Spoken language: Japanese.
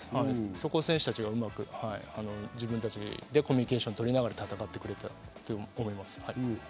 そこ、選手たちがうまく自分たちでコミュニケーションを取りながら戦ってくれたと思います。